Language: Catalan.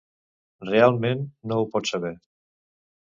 Realment, no ho pots saber.